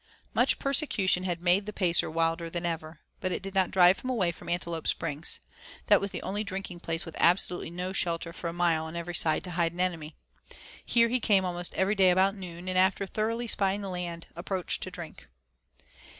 Much persecution had made the Pacer wilder than ever. But it did not drive him away from Antelope Springs. That was the only drinking place with absolutely no shelter for a mile on every side to hide an enemy. Here he came almost every day about noon, and after thoroughly spying the land approached to drink.